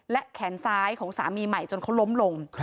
และแขนซ้ายของสามีใหม่จนเขาล้มลง